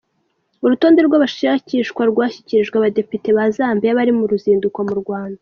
Urutonde rw'abashakishwa rwashyikirijwe abadepite ba Zambia bari mu ruzinduko mu Rwanda.